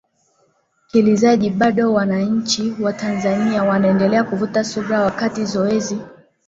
kilizaji bado wananchi wa tanzania wanaendelea kuvuta subra wakati zoezi